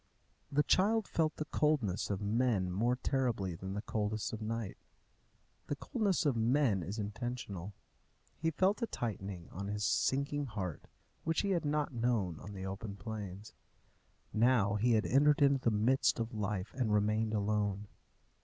The child felt the coldness of men more terribly than the coldness of night. The coldness of men is intentional. He felt a tightening on his sinking heart which he had not known on the open plains. Now he had entered into the midst of life, and remained alone.